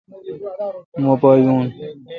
مہ پا یون۔